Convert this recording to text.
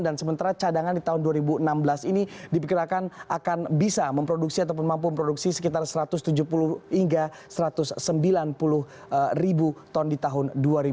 dan sementara cadangan di tahun dua ribu enam belas ini dipikirkan akan bisa memproduksi atau memampu memproduksi sekitar satu ratus tujuh puluh hingga satu ratus sembilan puluh ton di tahun dua ribu enam belas